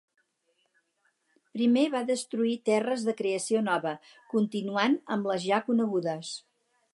Primer va destruir terres de creació nova, continuant amb les ja conegudes.